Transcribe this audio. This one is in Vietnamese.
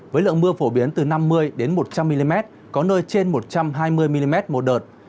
với lượng mưa phổ biến từ năm mươi một trăm linh mm có nơi trên một trăm hai mươi mm một đợt